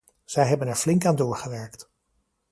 Zij hebben er flink aan doorgewerkt.